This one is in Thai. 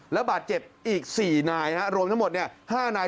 และบาดเจ็บอีก๔นายรวมทั้งหมด๕นาย